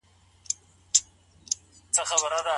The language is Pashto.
ايا مادي او معنوي حقوق باید خوندي وي؟